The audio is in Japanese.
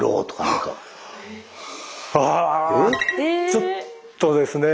ちょっとですね